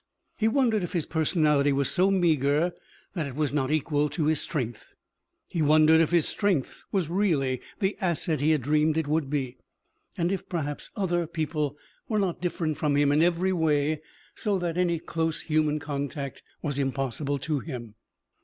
He wondered if his personality was so meagre that it was not equal to his strength. He wondered if his strength was really the asset he had dreamed it would be, and if, perhaps, other people were not different from him in every way, so that any close human contact was impossible to him.